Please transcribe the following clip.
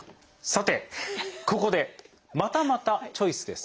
さてここでまたまたチョイスです。